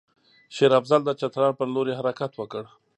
شېر افضل د چترال پر لوري حرکت وکړ.